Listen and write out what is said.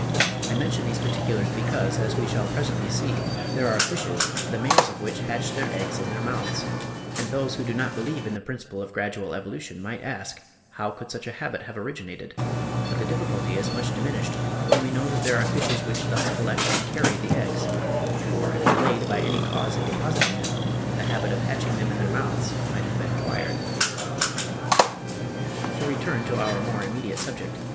I mention these particulars because, as we shall presently see, there are fishes, the males of which hatch their eggs in their mouths; and those who do not believe in the principle of gradual evolution might ask how could such a habit have originated; but the difficulty is much diminished when we know that there are fishes which thus collect and carry the eggs; for if delayed by any cause in depositing them, the habit of hatching them in their mouths might have been acquired. To return to our more immediate subject.